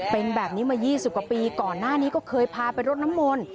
เป็นแบบนี้มา๒๐กว่าปีก่อนหน้านี้ก็เคยพาไปรดน้ำมนต์